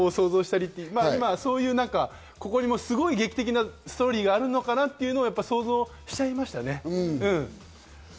好みの顔を想像したりと、今ここにもすごい劇的なストーリーがあるのかなっていうのを想像しちゃいましたね。